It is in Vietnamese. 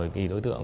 thì đối tượng